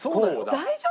大丈夫！？